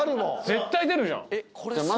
絶対出るじゃん。